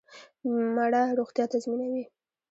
مڼه روغتیا تضمینوي